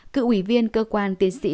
cựu ủy viên cơ quan tiến sĩ